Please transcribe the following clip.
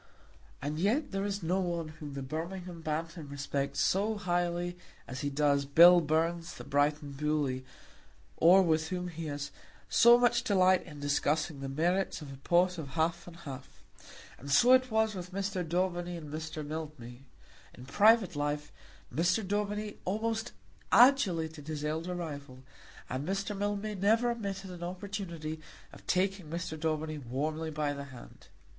And yet there is no one whom the Birmingham Bantam respects so highly as he does Bill Burns the Brighton Bully, or with whom he has so much delight in discussing the merits of a pot of half and half. And so it was with Mr. Daubeny and Mr. Mildmay. In private life Mr. Daubeny almost adulated his elder rival, and Mr. Mildmay never omitted an opportunity of taking Mr. Daubeny warmly by the hand.